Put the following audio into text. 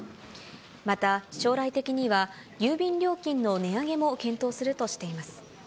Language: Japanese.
また、将来的には、郵便料金の値上げも検討するとしています。